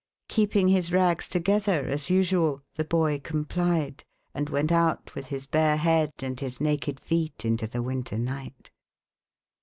Keeping his rags together, as usual, the boy complied, and went out with his bare head and his naked feet into the winter night.